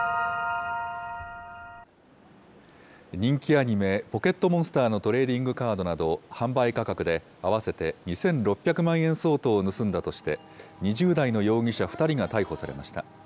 人気アニメ、ポケットモンスターのトレーディングカードなど、販売価格で、合わせて２６００万円相当を盗んだとして、２０代の容疑者２人が逮捕されました。